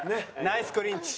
ナイスクリンチ。